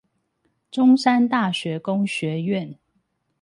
中山大學工學院